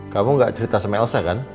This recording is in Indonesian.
kamu gak cerita sama elsa kan